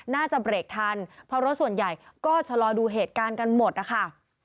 น่าจะเบรกทันเพราะรถส่วนใหญ่ก็ชะลอดูเหตุการณ์กันหมดนะคะ